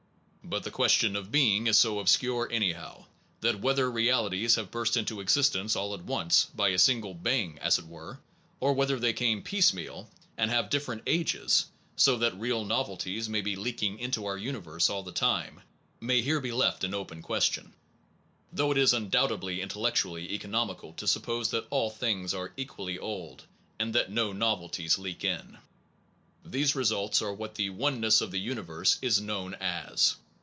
But the question of being is so obscure anyhow, that whether realities have burst into existence all at once, by a single bang, as it were; or whether they came piece meal, and have different ages (so that real novelties may be leaking into our universe all the time), may here be left an open question, though it is undoubtedly intellectually eco nomical to suppose that all things are equally old, and that no novelties leak in. These results are what the Oneness of the Universe is known as.